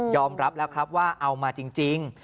อมรับแล้วครับว่าเอามาจริง